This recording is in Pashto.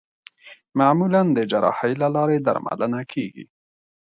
معمولا د جراحۍ له لارې درملنه کېږي.